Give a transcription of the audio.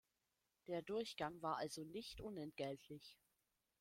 Der Durchgang war also nicht unentgeltlich.